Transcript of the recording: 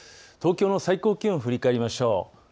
東京の最高気温を振り返りましょう。